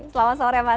selamat sore mas